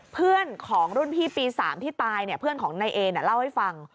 เพื่อนของรุ่นพี่ปีสามที่ตายเนี้ยเพื่อนของในเอน่ะเล่าให้ฟัง